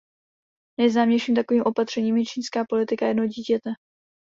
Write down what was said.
Nejznámějším takovým opatřením je čínská politika jednoho dítěte.